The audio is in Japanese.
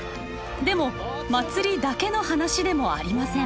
でも祭りだけの話でもありません。